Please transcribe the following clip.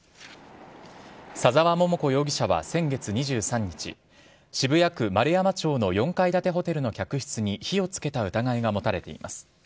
左沢桃子容疑者は先月２３日渋谷区円山町の４階建てホテルの客室に火を付けた疑いが持たれています。